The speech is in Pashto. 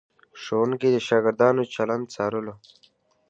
ښوونکي د شاګردانو چلند څارلو.